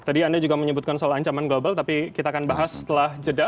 tadi anda juga menyebutkan soal ancaman global tapi kita akan bahas setelah jeda